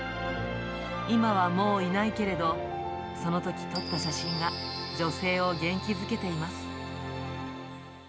今はもういないけれど、そのとき撮った写真が、女性を元気づけています。